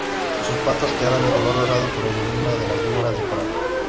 Sus patas quedaron de color rosado por el veneno de las víboras de coral.